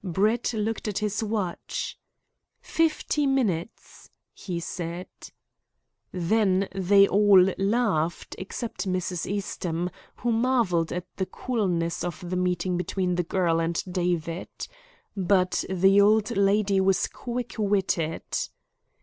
Brett looked at his watch. "Fifty minutes!" he said. Then they all laughed, except Mrs. Eastham, who marvelled at the coolness of the meeting between the girl and David. But the old lady was quick witted.